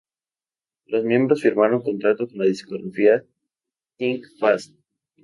Los miembros firmaron contrato con la discográfica Think Fast!